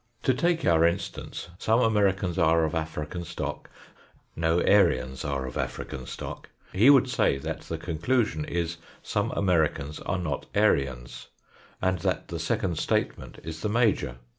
To take our instance : some Americans are of African stock ; no Aryans are of African stock. He would sav that the conclusion is some Americans are not Aryans ; and that the second statement is the major.